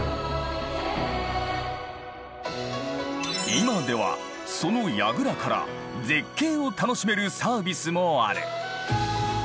今ではその櫓から絶景を楽しめるサービスもある。